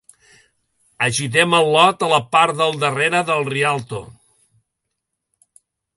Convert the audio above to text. Agitem el lot a la part del darrere del Rialto.